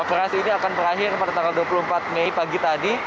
operasi ini akan berakhir pada tanggal dua puluh empat mei pagi tadi